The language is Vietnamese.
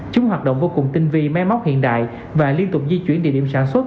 chúng hoạt động vô cùng tinh vi máy móc hiện đại và liên tục di chuyển địa điểm sản xuất